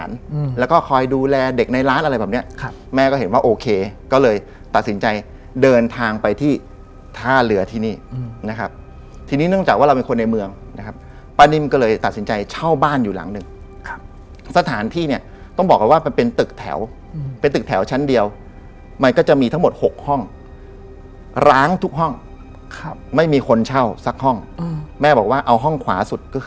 ซึ่งก็ใกล้เคียงนะเพราะว่า